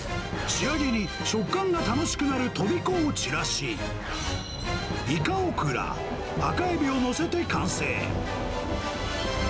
仕上げに、食感が楽しくなるトビコを散らし、イカオクラ、赤エビを載せて完成。